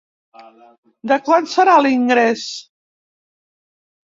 De quant serà l’ingrés?